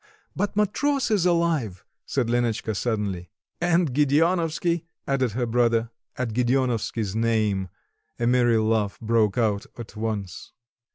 "But Matross is alive," said Lenotchka suddenly. "And Gedeonovsky," added her brother. At Gedeonovsky's name a merry laugh broke out at once.